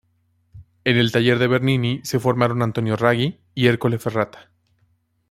En el taller de Bernini se formaron Antonio Raggi y Ercole Ferrata.